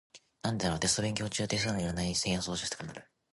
なんでだろう、テスト勉強中って普段やらない部屋の掃除がしたくなる。